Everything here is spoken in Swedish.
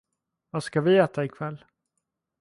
Vad ska vi äta ikväll?